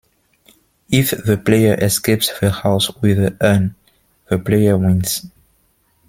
If the player escapes the house with the urn, the player wins.